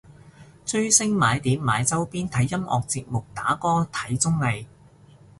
追星買碟買周邊睇音樂節目打歌睇綜藝